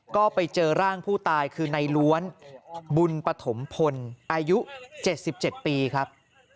ก็ไปเจอร่างผู้ตายคือในล้วนบุญปฐมพลอายุ๗๗ปีครับ